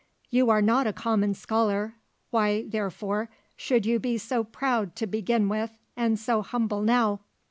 You are not a common scholar, why, therefore, should you be so proud to begin with and so humble now?"